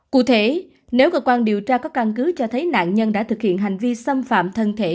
cụ thể nếu cơ quan điều tra có căn cứ cho thấy nạn nhân đã thực hiện hành vi xâm phạm thân thể